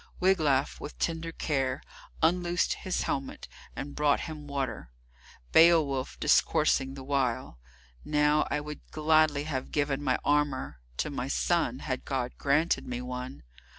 Wiglaf, with tender care, unloosed his helmet and brought him water, Beowulf discoursing the while: "Now I would gladly have given my armour to my son, had God granted me one.